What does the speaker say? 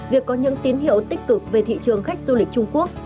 việc có những tín hiệu tích cực về thị trường khách du lịch trung quốc